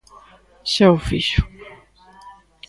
Xa o fixo.